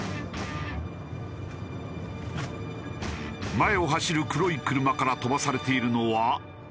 前を走る黒い車から飛ばされているのは。